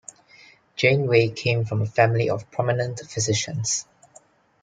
Janeway came from a family of prominent physicians.